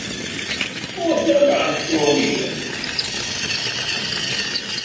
Oedd yna gant go wir?